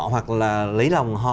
hoặc là lấy lòng họ